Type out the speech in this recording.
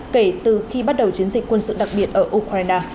kể từ khi bắt đầu chiến dịch quân sự đặc biệt ở ukraine